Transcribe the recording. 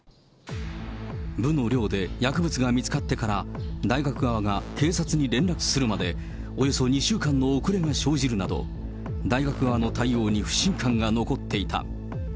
部の寮で薬物が見つかってから大学側が警察に連絡するまで、およそ２週間の遅れが生じるなど、大学側の対応に不信感が残っていた。